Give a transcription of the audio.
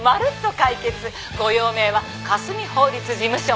ご用命は香澄法律事務所まで。